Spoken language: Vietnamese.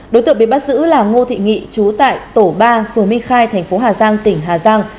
đối tượng bị bắt giữ là ngô thị nghị trú tại tổ ba phường minh khai tp hà giang tỉnh hà giang